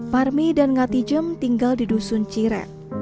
parmi dan ngati jem tinggal di dusun ciret